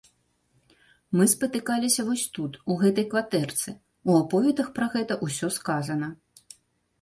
Мы спатыкаліся вось тут, у гэтай кватэрцы, у аповедах пра гэта ўсё сказана.